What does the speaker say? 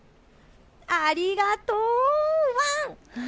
ありがとうワン！